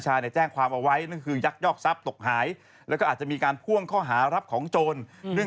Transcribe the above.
อ่านให้จบสิ